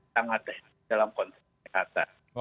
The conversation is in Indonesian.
sangat dalam konteks